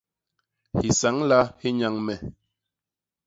Hisañla hi nnyañ me.